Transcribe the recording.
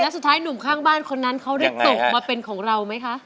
สุดท้ายหนุ่มข้างบ้านคนนั้นเขาได้ตกมาเป็นของเราไหมคะ